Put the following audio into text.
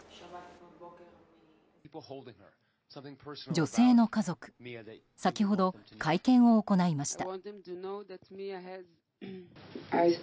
女性の家族先ほど会見を行いました。